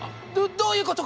どういうこと？